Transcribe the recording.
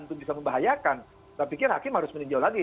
itu bisa membahayakan saya pikir hakim harus meninjau lagi